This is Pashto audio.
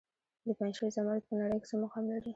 د پنجشیر زمرد په نړۍ کې څه مقام لري؟